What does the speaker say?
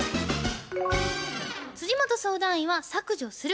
本相談員は「削除する」